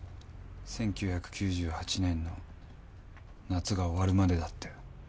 １９９８年の夏が終わるまでだって。